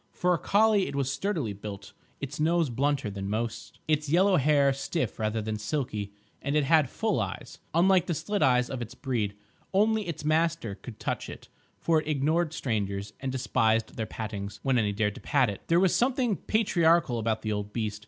For a collie it was sturdily built, its nose blunter than most, its yellow hair stiff rather than silky, and it had full eyes, unlike the slit eyes of its breed. Only its master could touch it, for it ignored strangers, and despised their pattings—when any dared to pat it. There was something patriarchal about the old beast.